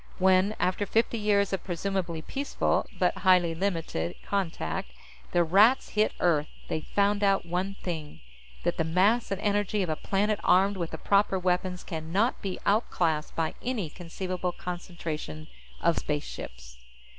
When, after fifty years of presumably peaceful but highly limited contact, the Rats hit Earth, they found out one thing. That the mass and energy of a planet armed with the proper weapons can not be out classed by any conceivable concentration of spaceships.